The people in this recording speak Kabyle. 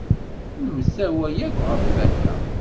Nemtawa akk ɣef waya.